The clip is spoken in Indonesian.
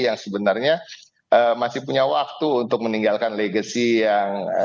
yang sebenarnya masih punya waktu untuk meninggalkan legacy yang